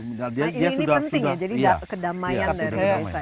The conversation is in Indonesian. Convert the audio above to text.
ini penting ya jadi kedamaian dari masyarakat